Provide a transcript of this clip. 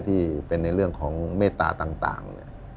ที่เป็นในเรื่องของเมตตาต่าง